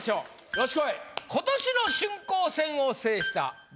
よしこい。